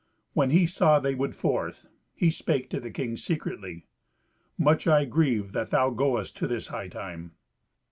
When he saw they would forth, he spake to the king secretly, "Much I grieve that thou goest to this hightide."